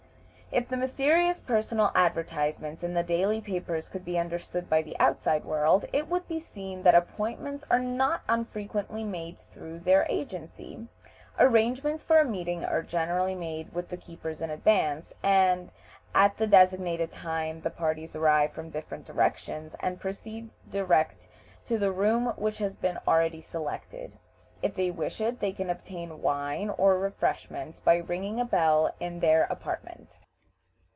If the mysterious "personal" advertisements in the daily papers could be understood by the outside world, it would be seen that appointments are not unfrequently made through their agency. Arrangements for a meeting are generally made with the keepers in advance, and at the designated time the parties arrive from different directions and proceed direct to the room which has been already selected. If they wish it they can obtain wine or refreshments by ringing a bell in their apartment.